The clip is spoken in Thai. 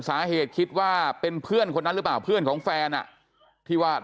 คิดว่าเป็นเพื่อนคนนั้นหรือเปล่าเพื่อนของแฟนอ่ะที่ว่า